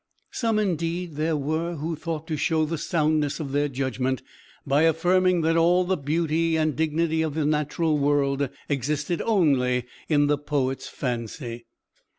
Some, indeed, there were, who thought to show the soundness of their judgment by affirming that all the beauty and dignity of the natural world existed only in the poet's fancy.